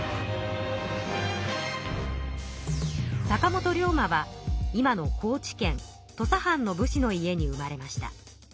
坂本龍馬は今の高知県土佐藩の武士の家に生まれました。